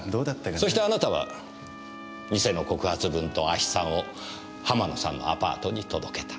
そしてあなたは偽の告発文と亜ヒ酸を浜野さんのアパートに届けた。